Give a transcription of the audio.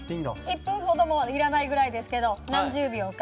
１分ほどもいらないぐらいですけど何十秒か。